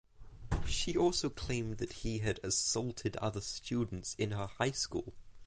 She also claimed that he had assaulted other students in her high school.